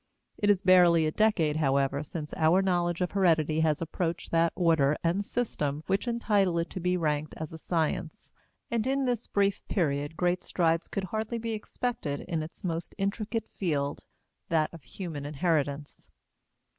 It is barely a decade, however, since our knowledge of heredity has approached that order and system which entitle it to be ranked as a science; and in this brief period great strides could hardly be expected in its most intricate field, that of human inheritance.